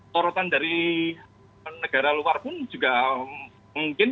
sorotan dari negara luar pun juga mungkin